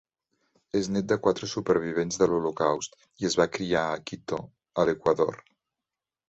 És net de quatre supervivents de l'Holocaust i es va criar a Quito, a l'Equador.